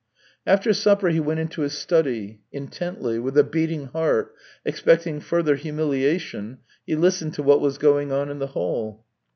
After supper he went into his study; intently, with a beating heart, expecting further humiliation, he listened to what was going on in the hall.